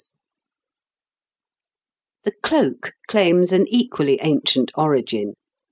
] The cloak claims an equally ancient origin.